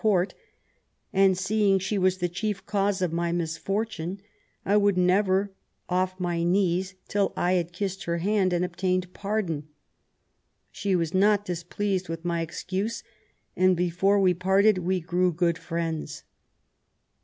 271 Court; and seeing she was the chief cause of my misfortune I would never off my knees till I had kissed her hand and obtained pardon. She was not displeased with my excuse, and before we parted we grew good friends.'